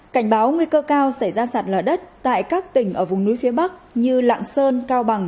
cảnh báo nguy cơ cao xảy ra sạt lở đất tại các tỉnh ở vùng núi phía bắc như lạng sơn cao bằng